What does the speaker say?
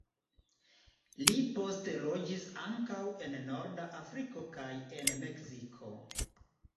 Li poste loĝis ankaŭ en norda Afriko kaj en Meksiko.